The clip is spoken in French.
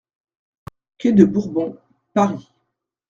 Quai de Bourbon, Paris